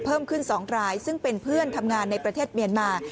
เพิ่มขึ้น๒รายซึ่งเป็นเพื่อนทำงานในประเทศเมียนมา